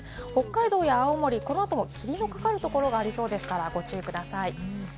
北海道や青森、このあとも霧のかかるところがありそうですから、ご注意ください。